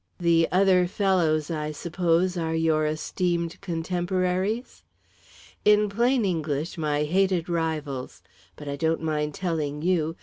"The 'other fellows,' I suppose, are your esteemed contemporaries?" "In plain English, my hated rivals. But I don't mind telling you.